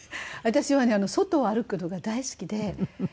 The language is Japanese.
私はね外を歩くのが大好きで。